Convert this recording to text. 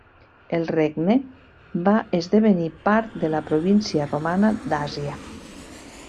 El regne va esdevenir part de la província romana d'Àsia.